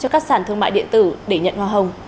cho các sản thương mại điện tử để nhận hoa hồng